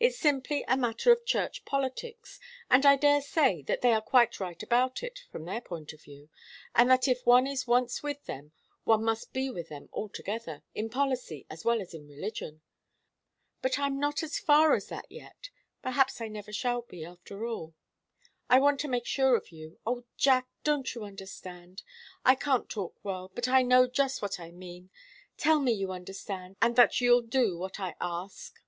It's simply a matter of church politics, and I daresay that they are quite right about it, from their point of view, and that if one is once with them one must be with them altogether, in policy as well as in religion. But I'm not as far as that yet. Perhaps I never shall be, after all. I want to make sure of you oh, Jack, don't you understand? I can't talk well, but I know just what I mean. Tell me you understand, and that you'll do what I ask!"